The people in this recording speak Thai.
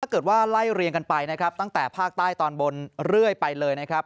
ไล่เรียงกันไปนะครับตั้งแต่ภาคใต้ตอนบนเรื่อยไปเลยนะครับ